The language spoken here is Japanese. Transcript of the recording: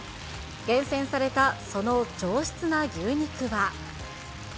厳選されたその上質な牛肉は。